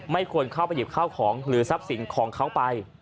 ควรเข้าไปหยิบข้าวของหรือทรัพย์สินของเขาไป